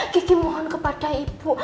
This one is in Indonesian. kiki mohon kepada ibu